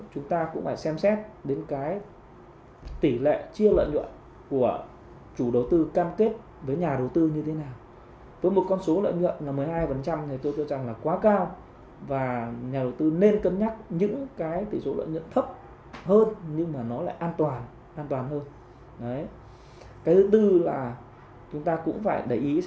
chúng ta cũng phải để ý xem là cái